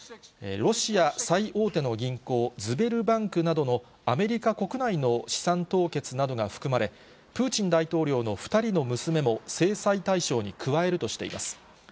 ロシア最大手の銀行、ズベルバンクなどのアメリカ国内の資産凍結などが含まれ、プーチン大統領の２人の娘も、制裁対象に加えるとしています。